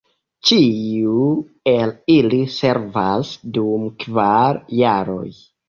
Ĉiu el ili servas dum kvar jaroj.